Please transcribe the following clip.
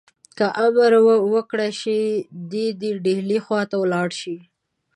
که امر وکړای شي دی دي ډهلي خواته ولاړ شي.